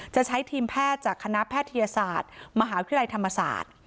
จะใช้ทีมแพทย์จากคณะแพทยศาสตร์มหาวิทยาลัยธรรมศาสตร์